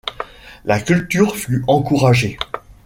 La culture fut encouragée.